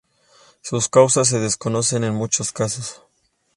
Sus causas se desconocen en muchos casos.